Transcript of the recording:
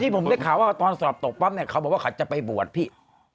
บอกว่าขัดจะไปบวชพี่